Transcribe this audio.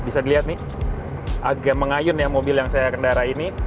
bisa dilihat nih agak mengayun ya mobil yang saya kendara ini